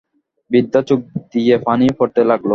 বৃদ্ধার চােখ দিয়ে পানি পড়তে লাগল।